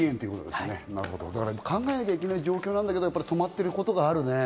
考えなきゃいけない状況なんだけど、止まってることもあるね。